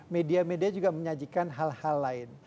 media media juga menyajikan hal hal lain